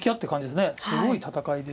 すごい戦いで。